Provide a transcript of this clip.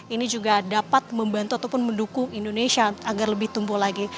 ini juga dapat membantu ataupun mendukung indonesia agar lebih tumbuh lagi